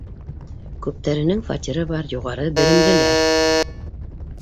Күптәренең фатиры бар, юғары белемлеләр.